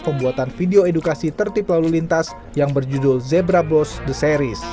pembuatan video edukasi tertib lalu lintas yang berjudul zebra blos the series